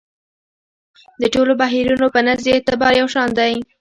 د ټولو بهیرونو په نزد یې اعتبار یو شان دی.